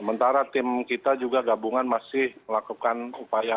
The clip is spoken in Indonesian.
sementara tim kita juga gabungan masih melakukan upaya